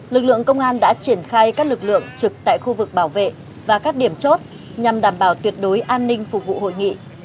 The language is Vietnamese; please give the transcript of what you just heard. lực lượng công an đã triển khai các lực lượng trực tại khu vực bảo vệ và các điểm chốt nhằm đảm bảo tuyệt đối an ninh phục vụ hội nghị